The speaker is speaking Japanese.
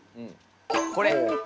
これ。